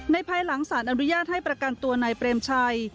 ภายหลังสารอนุญาตให้ประกันตัวนายเปรมชัย